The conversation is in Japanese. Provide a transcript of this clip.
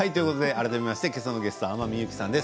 改めましてけさのゲストは天海祐希さんです。